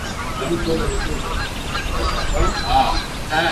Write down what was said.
aa anaona bado kunahitajika nguvu za ziada katika kuhakikisha kwamba wachezaji wetu